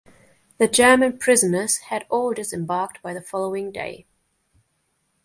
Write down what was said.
The German prisoners had all disembarked by the following day.